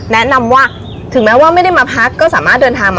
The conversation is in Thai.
แนะนำว่าถึงแม้ว่าไม่ได้มาพักก็สามารถเดินทางมา